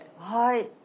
はい。